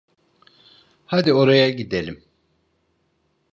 Hadi oraya gidelim.